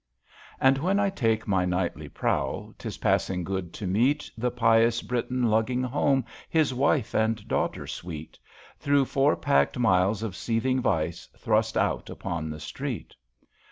193 194 ABAFT THE FUNNEL And when I take my nightly prowl, 'Tis passing good to meet The pious Briton Ingging home His wife and daughter sweet, Through four packed miles of seething vice. Thrust out upon the street.